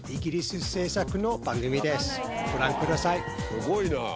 すごいな！